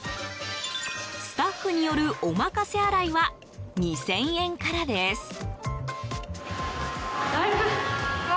スタッフによる、お任せ洗いは２０００円からです。